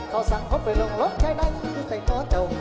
เขาสั่งพบไปลงรถแค่ใดที่ใส่โตเติม